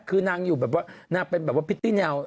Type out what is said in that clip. คือนางอยู่เป็นพิตตี้เนี้ยว